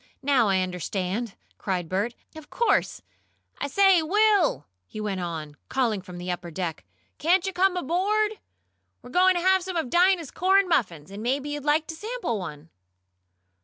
Now I understand!" cried Bert. "Of course. I say, Will!" he went on, calling down from the upper deck, "can't you come aboard? We're going to have some of Dinah's corn muffins, and maybe you'd like to sample one."